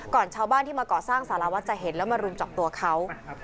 ชาวบ้านที่มาก่อสร้างสารวัตรจะเห็นแล้วมารุมจับตัวเขา